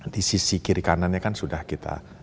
di sisi kiri kanannya kan sudah kita